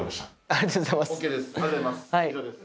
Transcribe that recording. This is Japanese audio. ありがとうございます以上です